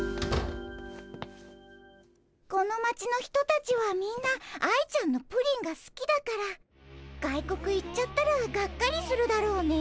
この町の人たちはみんな愛ちゃんのプリンがすきだから外国行っちゃったらがっかりするだろうね。